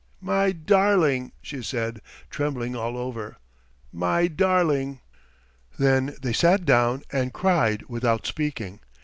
"My darling," she said, trembling all over, "my darling!" Then they sat down and cried without speaking.